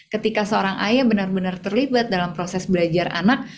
ketika seorang ayah benar benar terlibat dalam proses belajar anak